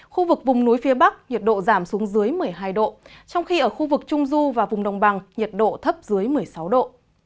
khu vực vùng núi phía bắc nhiệt độ giảm xuống dưới một mươi hai độ trong khi ở khu vực trung du và vùng đồng bằng nhiệt độ thấp dưới một mươi sáu độ